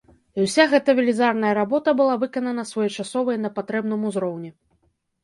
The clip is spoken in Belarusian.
І ўся гэта велізарная работа была выканана своечасова і на патрэбным узроўні.